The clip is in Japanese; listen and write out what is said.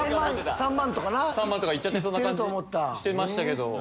３万とか行っちゃってそうな感じしてましたけど。